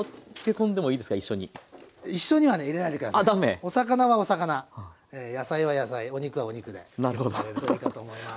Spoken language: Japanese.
お魚はお魚野菜は野菜お肉はお肉で漬け込むといいかと思います。